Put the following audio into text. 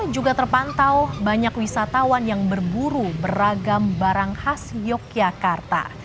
juga terpantau banyak wisatawan yang berburu beragam barang khas yogyakarta